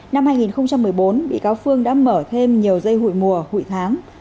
năm hai nghìn một mươi bốn bị cáo phương đã mở thêm nhiều dây hụi mùa hụi tháng